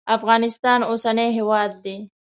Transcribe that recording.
افغانستان اوسنی هیواد دی.